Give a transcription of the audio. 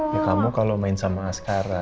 ya kamu kalau main sama askara